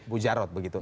bu jarod begitu